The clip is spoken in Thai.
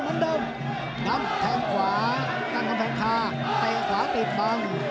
เหมือนเดิมนำแทงขวาตั้งกำแพงคาเตะขวาติดบัง